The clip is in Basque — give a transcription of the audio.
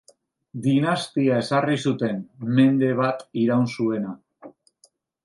Dinastia ezarri zuten, mende bat iraun zuena.